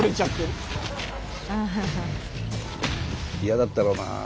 嫌だったろうなあ。